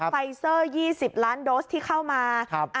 ไฟเซอร์๒๐ล้านโดสที่เข้ามา